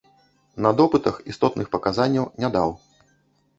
На допытах істотных паказанняў не даў.